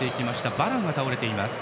バランが倒れています。